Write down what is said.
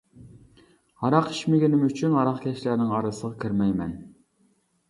ھاراق ئىچمىگىنىم ئۈچۈن ھاراقكەشلەرنىڭ ئارىسىغا كىرمەيمەن.